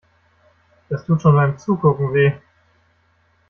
Das tut schon beim Zugucken weh.